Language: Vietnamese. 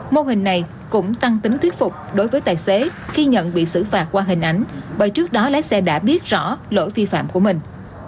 mô hình này cũng tăng tính thuyết phục đối với tài xế khi nhận bị xử phạt qua hình ảnh bởi trước đó lái xe đã biết rõ lỗi vi phạm của mình